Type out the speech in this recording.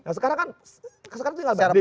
nah sekarang kan sekarang tinggal berapa